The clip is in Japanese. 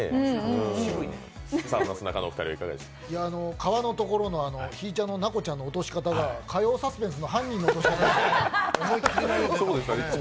川のところのひぃちゃんの奈子ちゃんの落とし方が火曜サスペンスの犯人の落とし方でしたね。